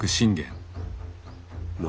何？